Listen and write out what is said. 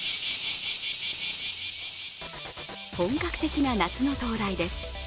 本格的な夏の到来です。